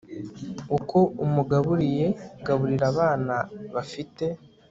uko umugaburiye gaburira abana bafite